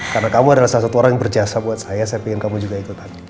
karena kamu adalah salah satu orang yang berjasa buat saya saya pengen kamu juga ikutan